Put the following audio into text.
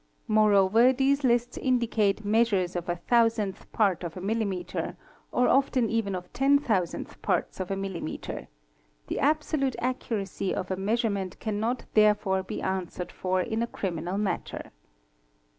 Moreover these lists indicate measures of a thousandth part of a millimetre or often even of ten thousandth parts of a millimetre ; the absolute accuracy of a measurement cannot therefore be answered for in a criminal matter.